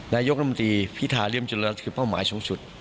นายกนามหลาบน้ำตีพิธาเลี่ยวจุฬนรัฐคือเป้าหมายที่สูงสุด